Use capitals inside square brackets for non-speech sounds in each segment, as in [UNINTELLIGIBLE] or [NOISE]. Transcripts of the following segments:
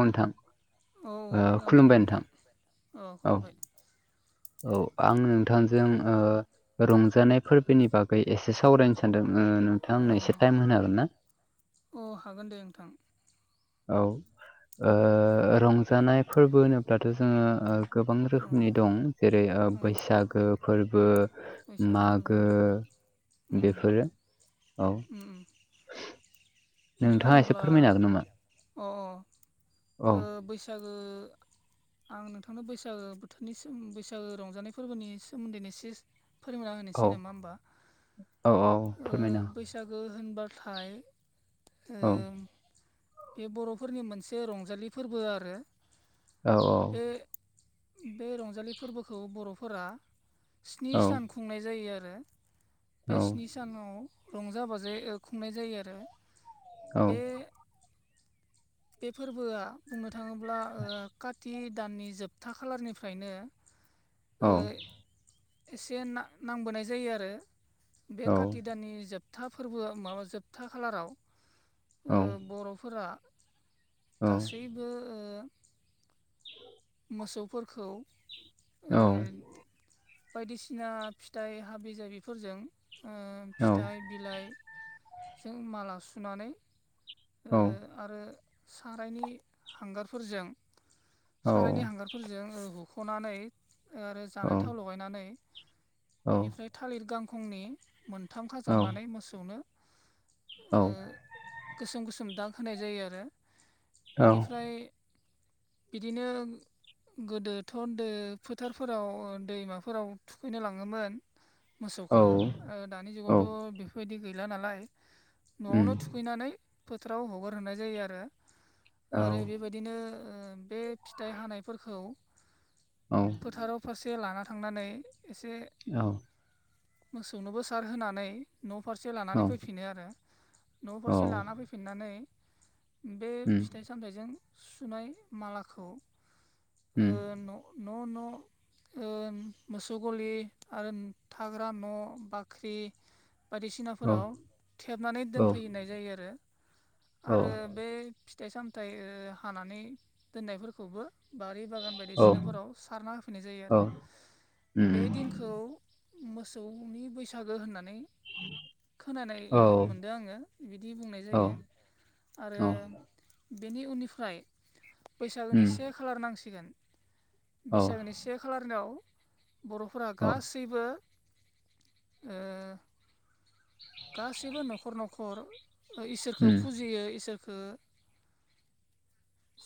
मोनथाम औ खोन आद दे नोंथां अ औ खुलुमबाय औ आं नोंथांजों ओ रंजानाय फोरबोनि बागै एसे सावराय सानदों ओ नोंथाङा अ आंनो एसे टाइम होनो हागोन ना। औ हागोन दे नोंथां औ ओ रंजानाय फोरबो होनोब्लाथ' जोङो ओ गोबां अ रोखोमनि दं जेरै ओ औ बैसागो फोरबो। बैसागो फोरबो मागो औ उम बेफोरो औ। उम उम नोंथाङा एसे होमब्ला फोरमायनो हागोन नामा? अ अ औ ओ बैसागो आं नोंथांनो बैसागो बोथोरनि बैसागो रंजानाय फोरबोनि सोमोन्दैनो [UNINTELLIGIBLE] फोरमायना औ होनोसै नामा होमबा औ औ फोरमायना ओ बैसागो होनबाथाय ओ हो बे बर'फोरनि मोनसे रंजालि फोरबो आरो। औ औ। बे बे रंजालि फोरबोखौ बर'फोरा स्नि औ सान खुंनाय जायो आरो औ बे स्नि सानाव रंजा बाजायै खुंनाय जायो आरो। औ बे बे फोरबोआ बुंनो थाङोब्ला ओ खाति दाननि जोबथा खालारनिफ्रायनो औ। ओ एसे ना-नांबोनाय जायो आरो बे काति दाननि जोब था फोरबो माबा जोबथा खालाराव औ ओ बर'फोरा गासैबो ओ मोसौफोरखौ ओ बायदिसिना फिथाइ हाबि जाबिफोरजों ओ औ फिथाइ बिलाइजों माला सुनानै ओ औ आरो सारायनि हांगारफोरजों औ सारायनि हांगार फोरजों हुख'नानै आरो जानाय थाव लगायनानै औ बेनिफ्राय थालिर गांखंनि मोनथाम औ खाजाबनानै मोसौनो औ। गोसोम गोसोम दाग होनाय जायो आरो बेनिफ्राय बिदिनो गोदोथ' दो फोथारफोराव दैमाफोराव थुखैनो लाङोमोन औ मोसौखौ ओ दानि औ जुगावथ' बेफोरबायदि गैला नालाय उम न'आवनो थुखैनानै फोथाराव हगार हरनाय जायो आरो औ आरो बेबाय बिदिनो ओ बे फिथाइ हानायफोरखौ औ। फोथाराव फारसे लाना थांनानै एसे औ। मोसौनोबो सार होनानै न' फारसे लानानै औ फैफिनो आरो। न'फारसे औ लाना फैफिननानै बे उम फिथाइ सामथाइजों सुनाय मालाखौ ओ हम। न' न' न' ओ मोसौ गलि आरो थाग्रा न' बाख्रि औ बायदिसिनाफोराव थेबनानै औ दोनफैनाय जायो आरो औ आरो बे फिथाइ सामथाइ हानानै दोननायफोरखौबो बारि बागान। औ उम बायदिसिनाफोराव सारना होफैनाय जायो औ औ आरो उम औ उम औ उम औ उम औ उम औ बे दिनखौ मोसौनि बैसागो होननानै खोनानाय ओ मोनदों आङो बिदि बुंनाय जायो। आरो बेनि उननिफ्राय बैसागोनि से खालार नांसिगोन बैसागोनि से खालारनाव बर'फोरा गासैबो ओ गासिबो नखर नखर ओ इसोरखौ फुजियो इसोर खो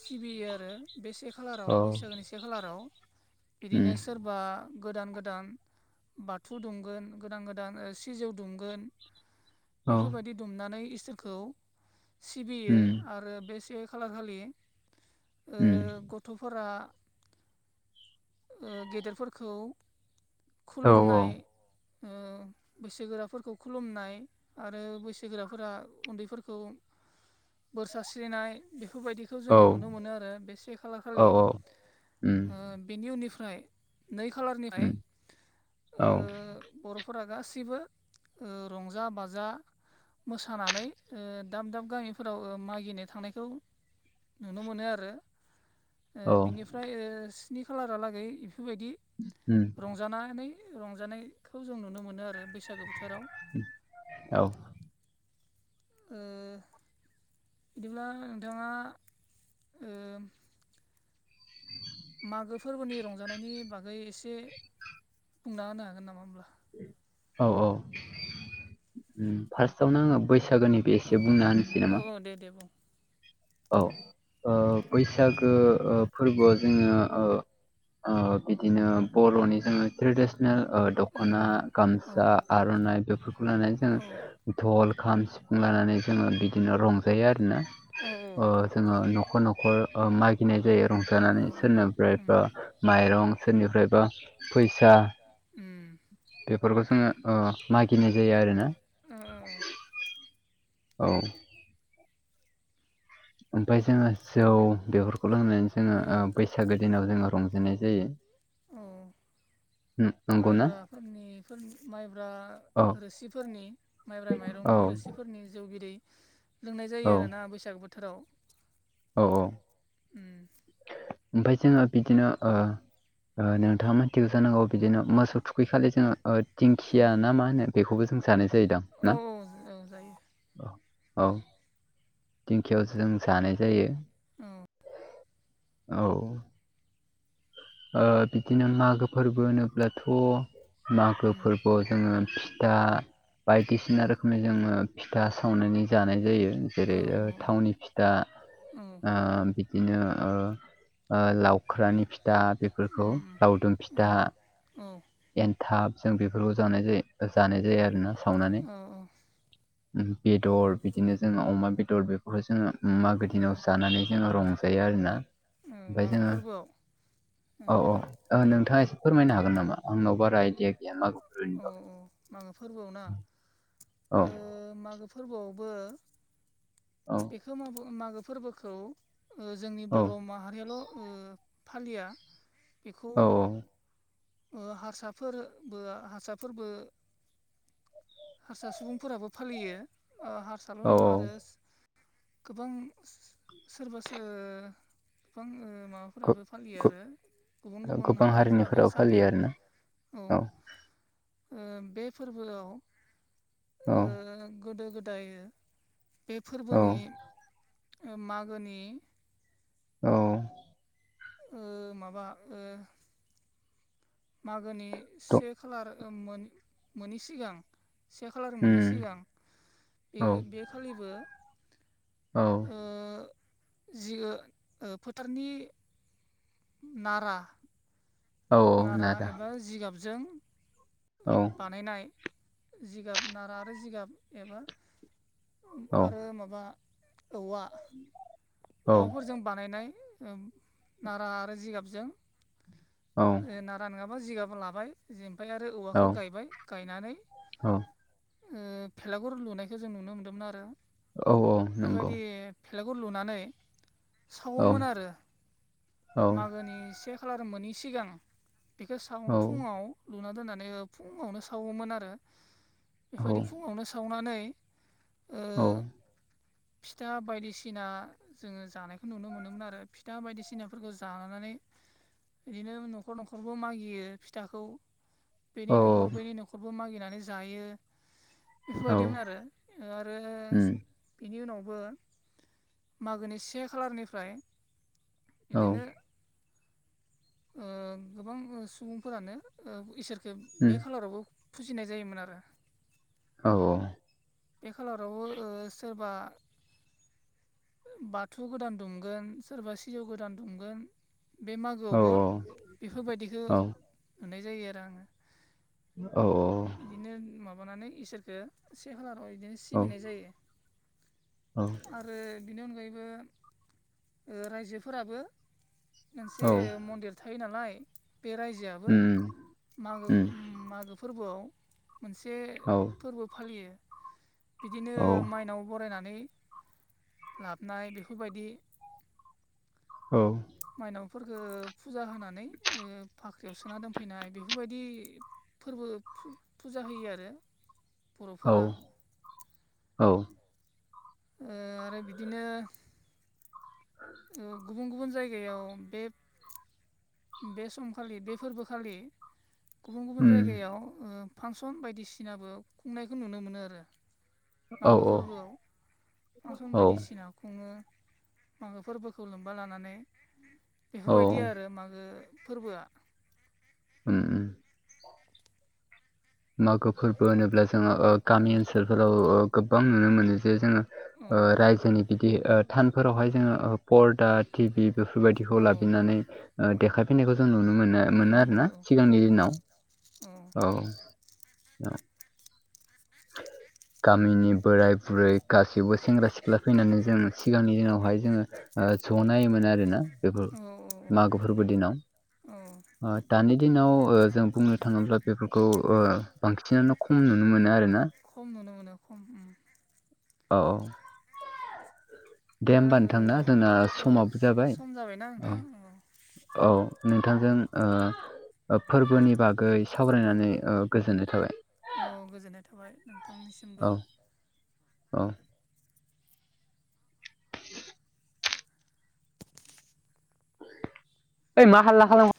सिबियो आरो बे से खालाराव बैसागोनि से बे खालाराव बिदिनो सोर बा गोदान गोदान बाथौ दुमगोन गोदान गोदान ओ सिजौ दुमगोन। बेफोर बायदि दुमनानै इसोरखौ सिबियो आरो बे से खालार खालि ओ गथफोरा ओ गेदेरफोरखौ खुलुमनाय। ओ बैसो गोराफोरखौ खुलुमनाय आरो बैसोगोराफोरा उन्दैफोरखौ बोर सारस्रिनाय बेफोर बायदि खौ जोङो नुनो मोनो आरो बे से खालार खालि ओ बेनि उननिफ्राय नै खालारनिफाय ओ बर'फोरा गासिबो ओ रंजा बाजा मोसानानै ओ दाब दाब गामिफोराव ओ मागिनो थांनायखौ नुनो मोनो आरो ओ उम बिनिफ्राय ओ स्नि खालारहालागै एफोरबायदि उ रंजानानै रंजानायखौ जों नुनो मोनो आरो बैसागो बोथोराव औ ओ बिदिब्ला नोंथाङा ओ मागो फोरबोनि रंजानायनि बागै एसे बुंना होनो हागोन नामा होमब्ला? औ औ उ फार्स्टआवनो आङो बैसागोनि औ एसे बुंना होनोसै औ नामा? दे दे बुं। औ ओ बैसागो ओ फोरबोआव जोङो ओ ओ बिदिनो बर'नि जोङो ट्रेडिसनेल ओ दखना, उम गामसा, उम आरनाइ बेफोरखौ लानानै जों औ धल, खाम, सिफुं लानानै जोङो बिदिनो रंजायो आ रोना औ बिदिनो ओ जोङो न'खर न'खर ओ मागिनाय जायो। औ रंजानानै उम सोरनिफ्रायबा माइरं सोरनिफ्रायबा फैसा उम बेफोरखौ जोङो ओ मागिनाय जायो आरो ना ओ औ ओमफाय जोङो जौ बेफोरखौ लोंनोनो ओ जोङो बै सागो दिनाव जोङो रंजानाय जायो। औ नंगौना माइब्राफोरनि फोरनि माइब्रा औ रोसिफोरनि माइब्रा माइरंनि औ रोसिफोरनि जौ बिदै लोंनाय औ जायो आरो ना बैसागो बोथोराव उ ओमफाय जोङो बिदिनो ओ ओ नोंथाङा मानथिगौ जानांगौ बिदिनो मोसौ थुखैखालि जोङो ओ औ दिंखिया ना मा होनो बेखौबो जों जानाय जायोदां औ ना? औ जायो औ औ दिंखियाव जों जानाय जायो। औ औ ओ बिदिनो मागो फोरबो होनोब्लाथ मागो उम फोरबोआव जोङो दा बायदिसिना रोखोमनि जोङो फिथा सावनानै जानाय जायो। औ जेरै ओ थावनि फिथा औ ओ बि दिनो ओ ओ लावख्रानि फि दा औ बेफोरखौ लावदुम फिथा औ एन्थाब जों बेफोरखौ जानाय जायो। जानाय जायो आरोना सावनानै। औ ओ उम बेदर बिदिनो जोङो अमा बेदर बेफोरखौ जोङो उम मागो दिनाव जानानै जोङो रंजायो आरोना उम ओमफ्राय मागो जोङो फोरबोआव औ औ ओ नोंथाङा एसे फोरमायनो हागोन नामा आंनाव बारा आइदिया गैया मागो फोर्बोर्नि औ बागै। मागो फोर्बोआव ना औ ओ मागो फोर्बोआवबो औ बेखो मावगो मागो फोर्बोखौ ओ जोंनि औ बर' माहारियाल' ओ फालिया बिखौ औ ओ हासाफोरबो हासाफोरबो [INAUDIBLE] हारसा सुबुंफोराबो फालियो ओ हारसाल' औ नङा आरो गोबां सोरबा सो गोबां ओ मा गो- फोराबो फालियो गो- आरो गुबुन गुबुन गोबां हारिफोराबो हारिनिफोराबो फालियो सालियो आरोना औ। ओ बे फोर्बोआव ओ औ गोदो गोदाय बे औ फोर्बोनि ओ मागोनि औ ओ माबा ओ मागोनि द- से खालार ओ मोन मोनि सिगां से खालार मोनि उम, सिगां बे औ बे खालिबो औ ओ जि ओ ओ फोथारनि नारा औ नारा एबा जिगाबजों औ बानायनाय जिगाब नारा आरो जिगाब एबा औ आरो माबा औवा औ औवाफोरजों बानायनाय ओम नारा आरो जिगाबजों औ ओ नारा नोङाबा जिगाब लाबाय जेमफाय आरो औ औवाखो गायबाय गायनानै ओ भेलागुर लुनायखो जों नुनो मोन्दोंमोन आरो औ औ नंगौ बेफोबायदि भेलागुर लुनानै औ सावोमोन आरो मागोनि से खालार मोनि सिगां। बेखौ साव फुङाव लुना दोननानै ओ फुङावनो सावोमोन आरो। बेफोबायदि फुङावनो सावनानै औ फिथा बायदिसिना जोङो जानायखौ नुनो मोनोमोन आरो फिथा बायदिसिनाफोरखौ जानानै दिनो न खर न'खरबो मागियो फिथाखौ बेनि न'खर बैनि न'खरबो मागिनानै जायो बेफोरबायदिमोन ओ आरो बिनि उनावबो मागोनि से खालारनिफ्राय इदिनो ओ गोबां सुबुंफोरानो ओ इसोर बे बे खालारावबो फुजिनाय जायोमोन आरो। औ औ। बे खालारावबो ओ सोरबा बाथौ गोदान दुमगोन सोरबा सिजौ गोदान दुमगोन बे मागोआवबो बेफोरबायदिखो नुनाय जायो आरो आङो। औ औ। दिनो माबानानै इसोरखो से खालाराव इदिनो सिबिनाय जायो। औ आरो बिनि अनगायैबो ओ रायजोफोराबो मोनसे मन्दिर थायो नालाय बे रायजोआ बो मागोखो मागो फोर्बोआव मोनसे फोर्बो फालियो बिदिनो माइनाव बरायनानै लाबनाय बेफोरबायदि औ माइनावफोरखो फुजा होनानै ओ फाख्रियाव सोना दोनफैनाय बेफोरबायदि फोरबो फुजा होयो आरो औ बर'फोरा औ ओ आरो बिदिनो ओ गुबुन गुबुन जायगायाव बे बे समखालि बे फोरबोखालि गुबुन गुबुन जायगायाव फांसन बायदिसिनाबो खुंनायखौ नुनो मोनो आरो मागो फोरबोआव फांसन बायदिसिना खुङो मागो फोरबोखौ लोबबा लानानै बेफोरबायदि आरो मागो फोरबोआ ओम मागो फोरबो होनोब्ला जोङो ओ औ गामि ओनसोलफोराव गोबां नुनो मोनो जे जोङो औ रायजोनि बिदि थानफोरावहाय जोङो पर्दा टिभि बेफोरबायदिखौ औ लाबदिंनै औ देखायफैनायखौ जों नुनो मोनो मोनो नुनो आरोना औ सिगांनि दिनाव औ औ [INAUDIBLE] गामिनि बोराय बुरै गासैबो सेंग्रा सिख्ला फैनानै जों सिगांनि दिनावहाय जोङो ओ ज नायोमोन आरोना बेफोर औ मागो फोरबो औ दिनाव दानि दिनाव जों बुंनो थाङोब्ला बेफोरखौओ बांसिनानो खम नुनो मोनो आरोना खम नुनो मोनो खम औ औ दे दा होमबा नोंथांना जोंना ओ अ समाबो जाबाय सम जाबायना औ नोंथां औ नोंथांजों फोरबोनि बागै औ सावरायनानैओ गोजोननाय थाबाय औ गोजोननाय थाबाय नोंथांनिसिमबो औ औ [UNINTELLIGIBLE] ओइ मा हाल्ला खालाम